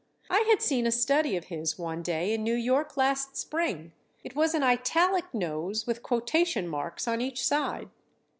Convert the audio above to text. I had seen a study of his one day in New York last spring. It was an italic nose with quotation marks on each side.